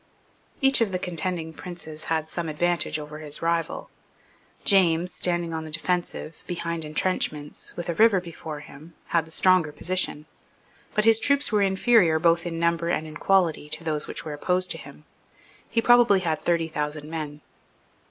Each of the contending princes had some advantages over his rival. James, standing on the defensive, behind entrenchments, with a river before him, had the stronger position; but his troops were inferior both in number and in quality to those which were opposed to him. He probably had thirty thousand men.